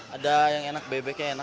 ada yang enak bebeknya enak